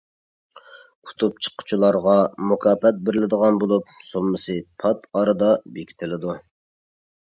ئۇتۇپ چىققۇچىلارغا مۇكاپات بېرىلىدىغان بولۇپ، سوممىسى پات ئارىدا بېكىتىلىدۇ.